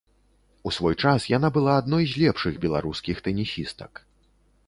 У свой час яна была адной з лепшых беларускіх тэнісістак.